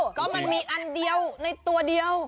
ก็มันมีอันเดียวในตัวเดียว